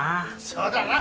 そうだな。